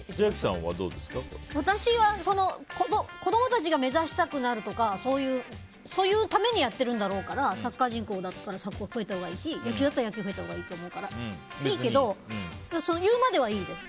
私は子供たちが目指したくなるとかそういうためにやってるんだろうからサッカー人口だって増えたほうがいいし野球だったら野球が増えたらいいと思うからいいけど言うまではいいです。